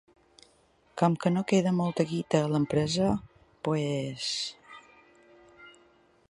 Com que no queda molta guita a l'empresa, pues...